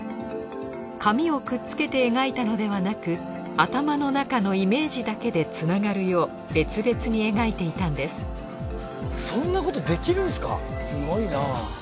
紙をくっつけて描いたのではなく頭の中のイメージだけでつながるよう別々に描いていたんですすごいなぁ。